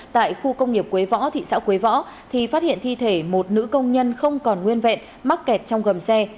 tại khu công nghiệp quế võ thị xã quế võ thì phát hiện thi thể một nữ công nhân không còn nguyên vẹn mắc kẹt trong gầm xe